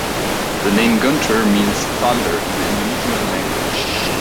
The name Guntur means "thunder" in the Indonesian language.